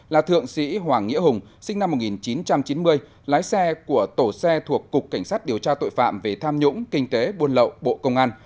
là thượng sĩ hoàng nghĩa hùng sinh năm một nghìn chín trăm chín mươi lái xe của tổ xe thuộc cục cảnh sát điều tra tội phạm về tham nhũng kinh tế buôn lậu bộ công an